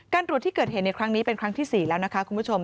ตรวจที่เกิดเหตุในครั้งนี้เป็นครั้งที่๔แล้วนะคะคุณผู้ชม